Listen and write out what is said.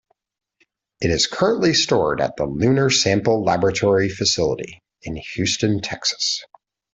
It is currently stored at the Lunar Sample Laboratory Facility in Houston, Texas.